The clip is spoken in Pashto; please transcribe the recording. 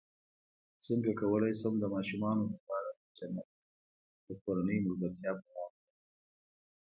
څنګه کولی شم د ماشومانو لپاره د جنت د کورنۍ ملګرتیا بیان کړم